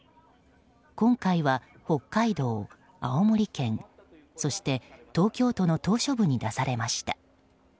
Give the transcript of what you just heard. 今回は北海道、青森県そして東京都の島しょ部に出されました。